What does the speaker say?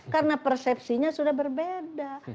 karena persepsinya sudah berbeda